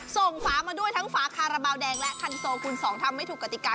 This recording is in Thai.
ส่งฟ้ามาด้วยทั้งฟ้าคาราบาวแดงและคันโซคุณสองทำไม่ถูกกติกา